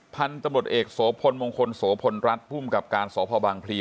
พันธุ์ตำรวจเอกโสพลมงคลโสพลรัฐภูมิกับการสพบางพลี